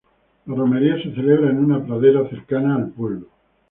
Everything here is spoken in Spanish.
La romería se celebra en una pradera cercana al pueblo.